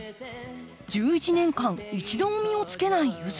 １１年間１度も実をつけないユズ。